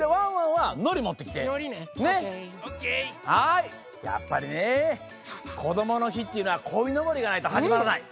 はいやっぱりね「こどもの日」っていうのはこいのぼりがないとはじまらない！